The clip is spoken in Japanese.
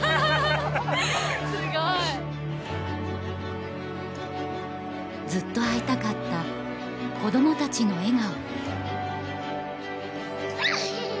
すごいずっと会いたかった子どもたちの笑顔